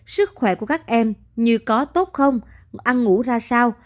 sức khỏe của các em như có tốt không ăn ngủ ra sao